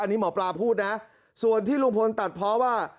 อันนี้หมอปลาพูดนะส่วนที่ลุงพลตัดเพราะว่า